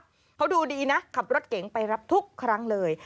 เขาดูดีนะขับรถเก๋งไปรับทุกครั้งเลย